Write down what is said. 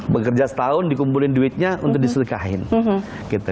bekerja setahun dikumpulin duitnya untuk diselikahin